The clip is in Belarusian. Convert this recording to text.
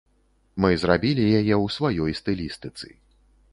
Мы зрабілі яе ў сваёй стылістыцы.